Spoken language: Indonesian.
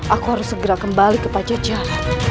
aku harus segera kembali ke pajajah